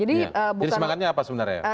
jadi semangatnya apa sebenarnya